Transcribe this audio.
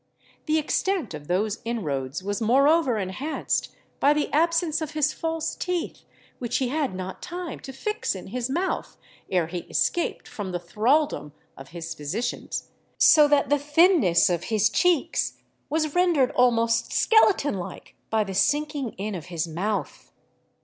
The extent of those inroads was moreover enhanced by the absence of his false teeth, which he had not time to fix in his mouth ere he escaped from the thraldom of his physicians: so that the thinness of his cheeks was rendered almost skeleton like by the sinking in of his mouth.